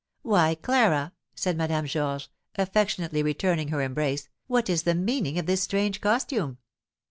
"Why, Clara!" said Madame Georges, affectionately returning her embrace, "what is the meaning of this strange costume?"